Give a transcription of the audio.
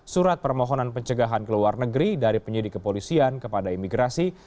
surat permohonan pencegahan ke luar negeri dari penyidik kepolisian kepada imigrasi